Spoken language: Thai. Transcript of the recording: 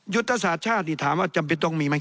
ยุทธศาสตร์ชาตินี่ถามว่าจำเป็นต้องมีไหม